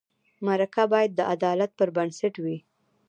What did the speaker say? مرکه باید د عدالت پر بنسټ وي.